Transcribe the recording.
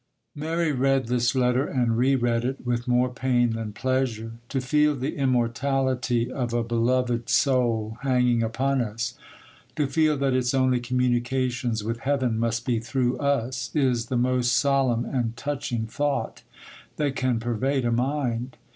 Mary read this letter, and re read it, with more pain than pleasure. To feel the immortality of a beloved soul hanging upon us, to feel that its only communications with Heaven must be through us, is the most solemn and touching thought that can pervade a mind.